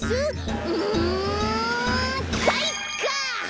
うんかいか！